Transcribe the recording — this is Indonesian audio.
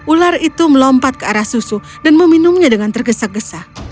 ular itu melompat ke arah susu dan meminumnya dengan tergesa gesa